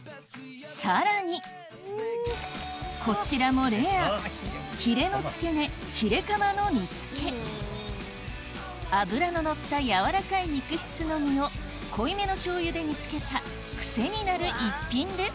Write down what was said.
さらにこちらもレアヒレの付け根脂の乗った柔らかい肉質の身を濃いめの醤油で煮付けた癖になる逸品です